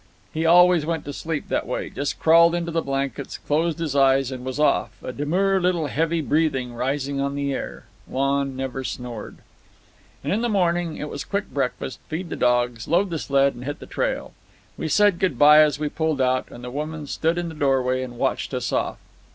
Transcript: He always went to sleep that way—just crawled into the blankets, closed his eyes, and was off, a demure little heavy breathing rising on the air. Lon never snored. And in the morning it was quick breakfast, feed the dogs, load the sled, and hit the trail. We said good bye as we pulled out, and the woman stood in the doorway and watched us off.